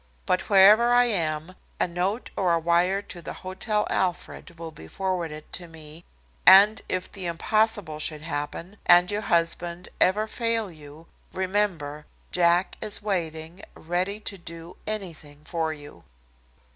But wherever I am, a note or a wire to the Hotel Alfred will be forwarded to me, and if the impossible should happen, and your husband, ever fail you, remember Jack is waiting, ready to do anything for you."